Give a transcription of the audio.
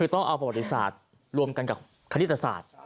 ทำกับธุรกิจศาสตร์รวมกับคณิตศาสตร์